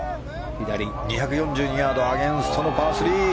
２４２ヤードアゲンストのパー３。